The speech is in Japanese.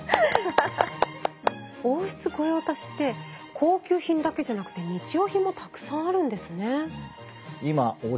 王室御用達って高級品だけじゃなくて日用品もたくさんあるんですね。